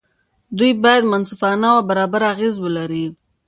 دوی باید منصفانه او برابر اغېز ولري.